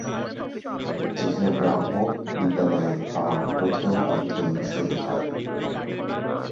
সেখানে ব্রাহ্ম বিদ্যালয়ে তাঁর প্রথম অধ্যয়ন শুরু হয়।